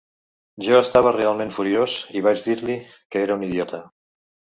Jo estava realment furiós, i vaig dir-li que era un idiota.